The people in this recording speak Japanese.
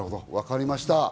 分かりました。